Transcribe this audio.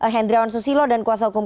hendrawan susilo dan kuasa hukum